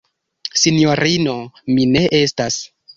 Sinjorino, mi ne estas.